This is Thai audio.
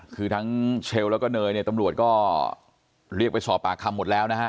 คือทั้งเชลแล้วก็เนยเนี่ยตำรวจก็เรียกไปสอบปากคำหมดแล้วนะฮะ